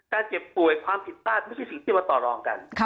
เจ็บป่วยความผิดพลาดไม่ใช่สิ่งที่มาต่อรองกัน